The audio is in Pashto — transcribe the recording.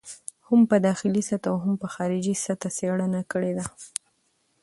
هم په داخلي سطحه او هم په خارجي سطحه څېړنه کړې دي.